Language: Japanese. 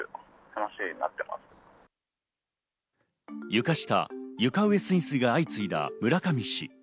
床下・床上浸水が相次いだ村上市。